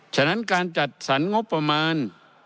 ฉะนั้นการจัดสรรงบประมาณ